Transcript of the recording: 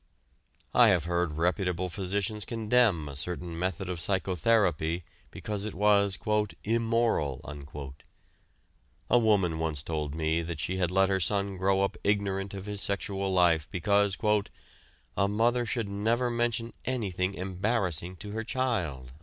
I have heard reputable physicians condemn a certain method of psychotherapy because it was "immoral." A woman once told me that she had let her son grow up ignorant of his sexual life because "a mother should never mention anything 'embarrassing' to her child."